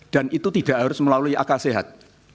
dan itu tidak harus melalui akal sehat